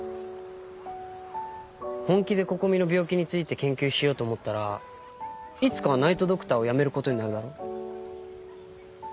本気で心美の病気について研究しようと思ったらいつかはナイト・ドクターを辞めることになるだろ。